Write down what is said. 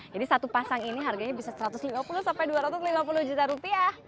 jadi satu pasang ini harganya bisa satu ratus lima puluh sampai dua ratus lima puluh juta rupiah